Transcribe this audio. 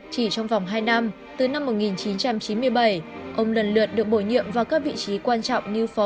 chỉ trong vòng hai năm từ năm một nghìn chín trăm chín mươi bảy ông lần lượt được bổ nhiệm vào các vị trí quan trọng như phó